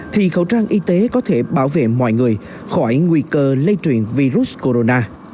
thì khẩu trang y tế có thể bảo vệ mọi người khỏi nguy cơ lây truyền virus corona